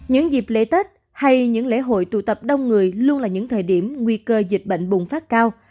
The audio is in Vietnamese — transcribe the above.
những dịp lễ tết hay những lễ hội tụ tập đông người luôn là những thời điểm nguy cơ dịch bệnh bùng phát cao